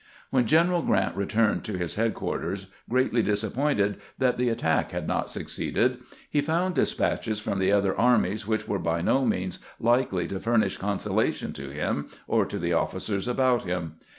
When G eneral Grant returned to his headquarters, greatly disappointed that the attack had not succeeded, he found despatches from the other armies which were by no means likely to furnish consolation to him or to the officers about him.